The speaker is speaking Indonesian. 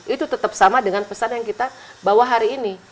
itu tetap sama dengan pesan yang kita bawa hari ini